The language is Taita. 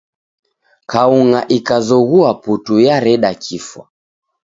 Kaung'a ikazoghua putu, yareda kifwa.